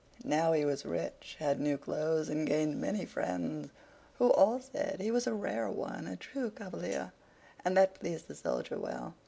Now he was rich, had new clothes, and gained many friends, who all said he was a rare one, a true cavalier; and that pleased the Soldier well.